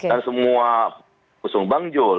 dan semua usung bang jul